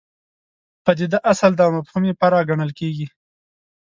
پدیده اصل ده او مفهوم یې فرع ګڼل کېږي.